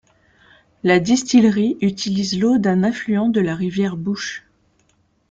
La distillerie utilise l'eau d'un affluent de la rivière Bush.